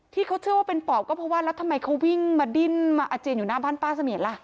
ที่เขาเชื่อว่าเป็นปอบก็เพราะว่าแล้วทำไมเขาวิ่งมาดิ้นมาอาเจียนอยู่หน้าบ้านป้าเสมียนล่ะ